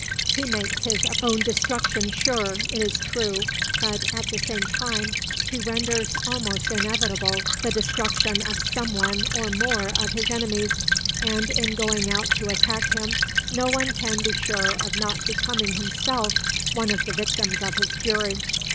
He makes his own destruction sure, it is true, but, at the same time, he renders almost inevitable the destruction of some one or more of his enemies, and, in going out to attack him, no one can be sure of not becoming himself one of the victims of his fury.